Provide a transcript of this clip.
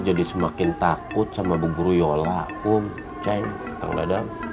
jadinya semakin takut sama bu guru yola um ceng kang dadam